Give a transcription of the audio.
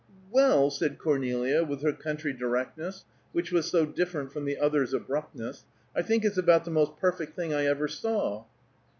"Well," said Cornelia, with her country directness, which was so different from the other's abruptness, "I think it's about the most perfect thing I ever saw."